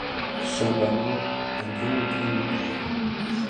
The post in Romanian provinces is known since the Middle Ages.